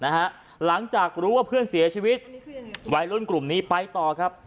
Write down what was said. หลังจากรู้ว่าเพื่อนเสียชีวิตวัยรุ่นกลุ่มนี้ไปต่อครับ